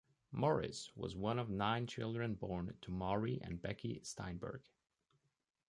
Morris was one of nine children born to Morry and Becky Steinberg.